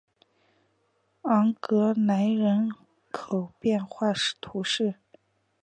昂格莱人口变化图示